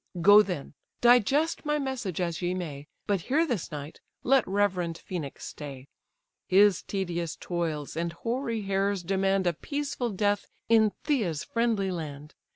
Go then—digest my message as ye may— But here this night let reverend Phœnix stay: His tedious toils and hoary hairs demand A peaceful death in Pythia's friendly land.